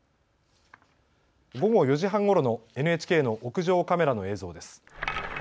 午後４時半ごろのＮＨＫの屋上カメラの映像です。